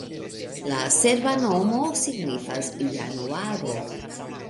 La serba nomo signifas januaro.